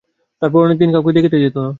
তারপর অনেক দিন কেউ ওদিকে যেত না।